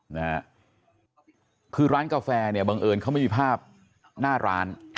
นี่โอน้ยคือร้านกาแฟเนี่ยบังเอิญเขามีภาพหน้าร้าน